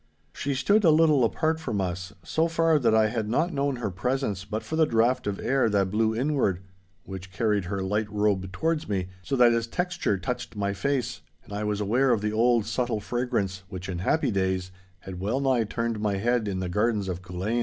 She stood a little apart from us, so far that I had not known her presence but for the draught of air that blew inward, which carried her light robe towards me, so that its texture touched my face, and I was aware of the old subtle fragrance which in happy days had well nigh turned my head in the gardens of Culzean.